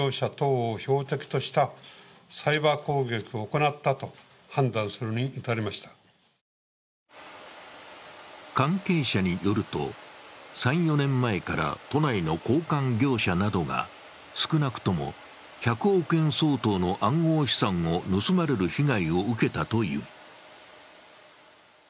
北朝鮮のラザルスによる攻撃は、日本にも関係者によると、３４年前から都内の交換業者などが少なくとも１００億円相当の暗号資産を盗まれる被害を受けたという。